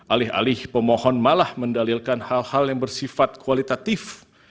alih alih pemohon malah mendalilkan hal hal yang bersifat kualitatif